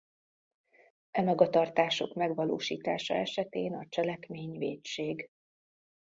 E magatartások megvalósítása esetén a cselekmény vétség.